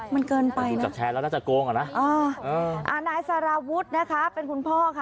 มันเกินไปนะอ๋อนายสารวุฒินะคะเป็นคุณพ่อค่ะ